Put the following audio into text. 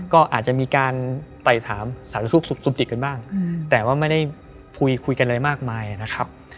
ก็อาจจะมีการไปถามสารทุกข์สุขดิกกันบ้างแต่ว่าไม่ได้คุยคุยกันอะไรมากมายนะครับ